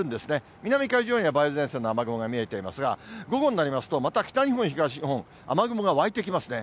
南海上には梅雨前線の雨雲が見えていますが、午後になりますと、また北日本、東日本、雨雲が湧いてきますね。